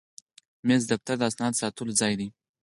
مېز د دفتر د اسنادو ساتلو ځای دی.